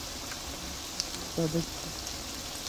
আমি কি করি, তা দেখতে থাকো।